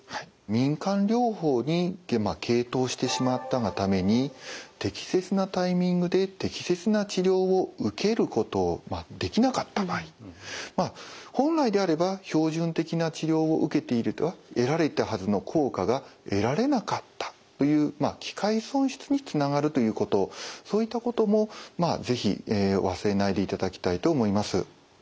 民間療法に傾倒してしまったがために適切なタイミングで適切な治療を受けることができなかった場合本来であれば標準的な治療を受けていれば得られたはずの効果が得られなかったという機会損失につながるということそういったことも是非忘れないでいただきたいと思います。